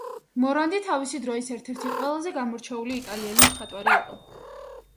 მორანდი თავისი დროის ერთ-ერთი ყველაზე გამორჩეული იტალიელი მხატვარი იყო.